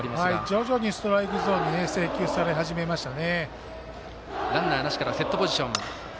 徐々にストライクゾーンに制球され始めましたね。